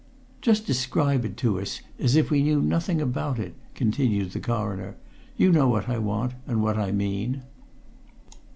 "Just describe it to us, as if we knew nothing about it," continued the Coroner. "You know what I want, and what I mean."